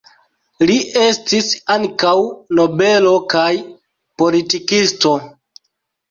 Li estis ankaŭ nobelo kaj politikisto.